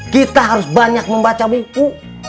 kita harus banyak membaca buku